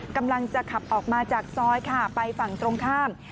กำลังจะขับออกมาจากซอยค่ะไปฝั่งตรงข้าม